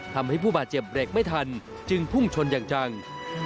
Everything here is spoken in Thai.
ทำให้ผู้บาดเจ็บเบรกไม่ทันจึงพุ่งชนอย่างจัง